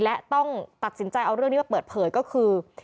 และต้องตัดสินใจเอาเรื่องนี้มาเปิดเผยก็คือ